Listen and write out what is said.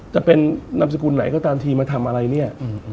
จะเป็นนามสกุลไหนก็ตามทีมาทำอะไรเนี่ย